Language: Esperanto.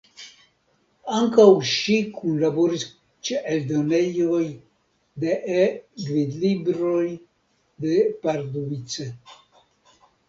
Ankaŭ ŝi kunlaboris ĉe eldonoj de E-gvidlibroj de Pardubice.